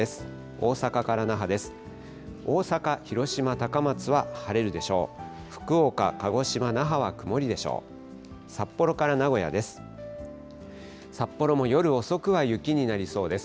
大阪から那覇です。